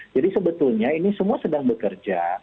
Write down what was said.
sebetulnya ini semua sedang bekerja